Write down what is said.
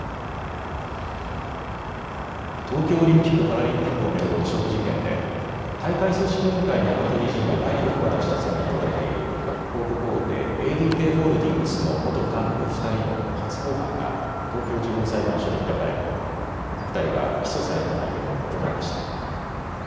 東京オリンピック・パラリンピックを巡る汚職事件で大会組織委員会の元理事に賄賂を渡した罪に問われている広告大手、ＡＤＫホールディングスの元幹部２人の初公判が東京地方裁判所で開かれ２人は起訴された内容を認めました。